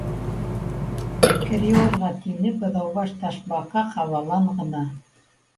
—Ә кер йыуырға? —тине Быҙаубаш Ташбаҡа ҡабалан ғына.